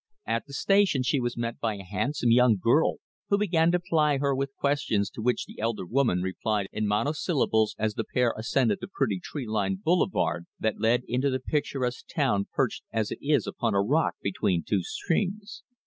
At the station she was met by a handsome young girl, who began to ply her with questions to which the elder woman replied in monosyllables as the pair ascended the pretty tree lined boulevard that led into the picturesque town perched as it is upon a rock between two streams.